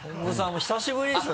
お久しぶりです。